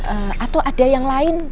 atau ada yang lain